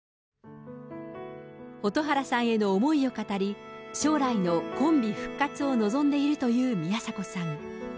蛍原さんへの思いを語り、将来のコンビ復活を望んでいるという宮迫さん。